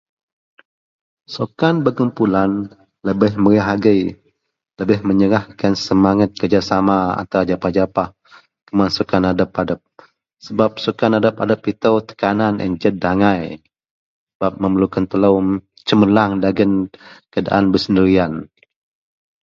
Sukan berkumpulan lebeh meriah agei lebeh menyerahkan semanget kerjasama antara japah-japah kuman sukan adep-adep sebab sukan adep-adep ito tekanan jed angai sebab memerlu telo cemerlang dalam keadaan bersendirian.